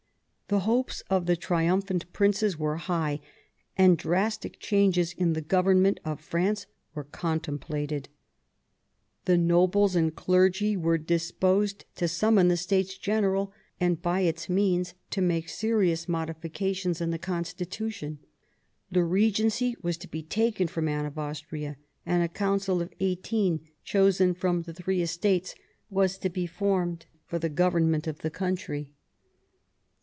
The hopes of the triumphant princes were high, and drastic changes in the government of France were contemplated. The nobles and clergy were disposed to summon the States General, and by its means to make serious modifications in the constitution. The regency was to be taken from Anne of Austria, and a council of eighteen, chosen from the Three Estates, was to be formed for the government of the country.